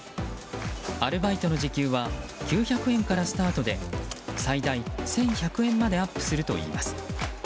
アルバイトの時給は９００円からスタートで最大１１００円までアップするといいます。